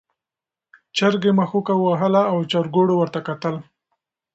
چرګې مښوکه وهله او چرګوړو ورته کتل.